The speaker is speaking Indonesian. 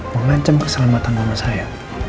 memancam keselamatan mama saya